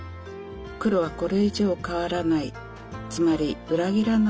黒はこれ以上変わらないつまり裏切らない色なんです。